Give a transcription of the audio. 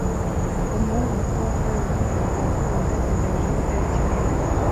Umuhungu muto wambaye uburinganire bwubururu agenda hejuru yigitare kinini